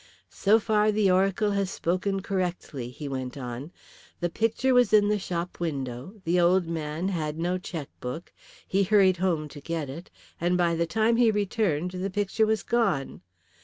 "So far the oracle has spoken correctly," he went on. "The picture was in the shop window. The old man had no cheque book. He hurried home to get it, and by the time he returned the picture was gone.